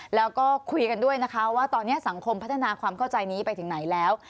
แล้วก็คุยกันด้วยนะคะว่าตอนนี้สังคมพัฒนาความเข้าใจนี้ไปถึงไหนแล้ว